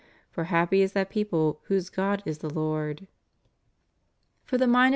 For happy is that people whose God is the Lord} For the mind of the * Ps.